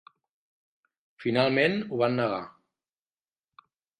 Finalment ho van negar.